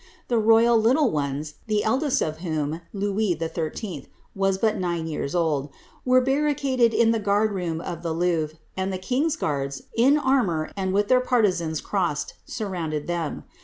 The royal little ones, the eldest of whom, Louis XIII.<, was but nine years old, were barricaded in the guard room of the Louvre, and the king^s guards, in armour and with their partizans crossed, surrounded them.